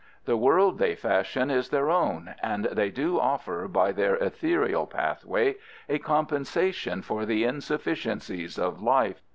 The world they fashion is their own, and they do offer by their ethereal pathway a compensation for the insufficiencies of life.